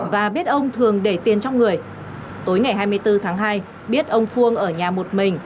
và biết ông thường để tiền trong người tối ngày hai mươi bốn tháng hai biết ông phương ở nhà một mình